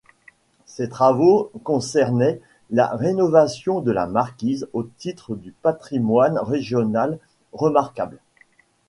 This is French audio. Ces travaux concernaient la rénovation de la marquise au titre du patrimoine régional remarquable.